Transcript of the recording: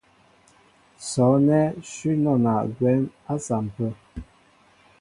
Sɔ́' ánɛ́ shʉ́ nɔna gwɛ̌m á saḿpə.